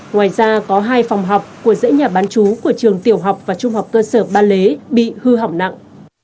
ngoài ra có hai phòng học của dãy nhà bán chú của trường tiểu học và trung học cơ sở ba lế bị hư hỏng nặng